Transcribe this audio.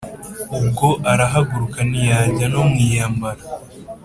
ubwo arahaguruka ntiyajya no mu iyambara.